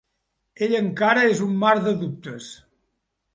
Ell encara és un mar de dubtes.